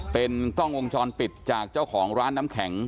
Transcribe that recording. เป็นกล้องวงจรปิดจากเจ้าของร้านน้ำแข็ง